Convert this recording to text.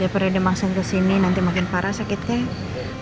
ya pada saat dia mangsa kesini nanti makin parah sakitnya